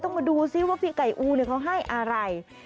ต้องมาดูสิว่าพี่ไก่อู๋เนี่ยเค้าให้อะไร